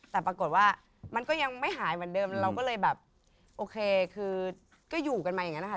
แต่ปรากฏว่ามันก็ยังไม่หายเหมือนเดิมเราก็เลยแบบโอเคคือก็อยู่กันมาอย่างนั้นนะคะ